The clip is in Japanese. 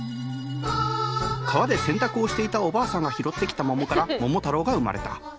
川で洗濯をしていたおばあさんが拾ってきた桃から桃太郎が生まれた。